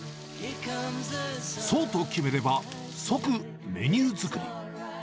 そうと決めれば、即メニュー作り。